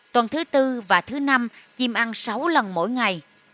tuần thứ bốn và thứ năm chim ăn sáu lần mỗi ngày